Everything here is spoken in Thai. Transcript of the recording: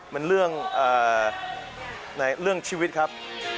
มันเรื่องชีวิตครับ